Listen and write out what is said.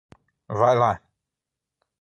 Vai lá